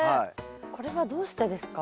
これはどうしてですか？